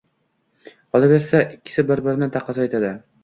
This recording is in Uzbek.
Qolaversa, ikkisi bir-birini taqozo etadi: